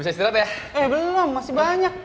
mas ian belum masih banyak